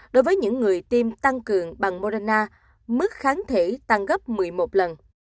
đối với những người tiêm tăng cường bằng morana mức kháng thể tăng gấp một mươi một lần